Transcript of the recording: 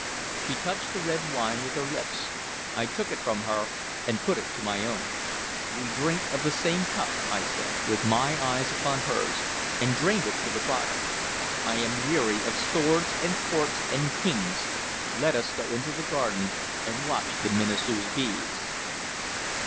She touched the red wine with her lips. I took it from her and put it to my own. "We drink of the same cup," I said, with my eyes upon hers, and drained it to the bottom. "I am weary of swords and courts and kings. Let us go into the garden and watch the minister's bees."